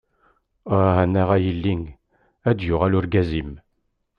Eh anaɣ a yelli, ad d-yuɣal urgaz-im.